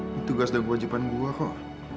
itu tugas dan wajiban gua kok